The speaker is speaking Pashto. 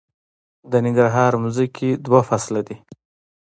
د ننګرهار ځمکې دوه فصله دي